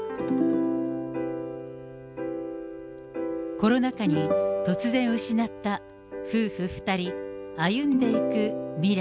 コロナ禍に突然失った夫婦２人歩んでいく未来。